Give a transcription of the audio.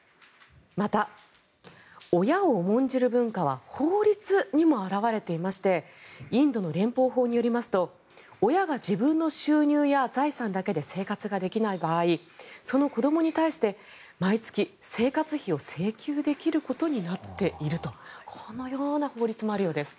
また、親を重んじる文化は法律にも表れていましてインドの連邦法によりますと親が自分の収入や財産だけで生活ができない場合その子どもに対して毎月、生活費を請求できることになっているというこのような法律もあるようです。